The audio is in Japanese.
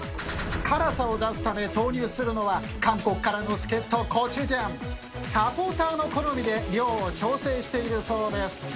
辛さを出すため投入するのはサポーターの好みで量を調整しているそうです。